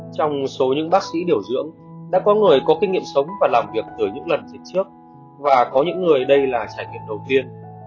trong số những bác sĩ điều dưỡng đã có người có kinh nghiệm sống và làm việc từ những lần dịch trước và có những người đây là trải nghiệm đầu tiên